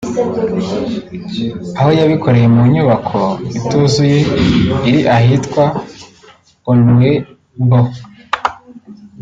aho yabikoreye mu nyubako ituzuye iri ahitwa Onuebo